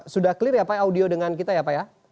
sudah clear ya pak audio dengan kita ya pak ya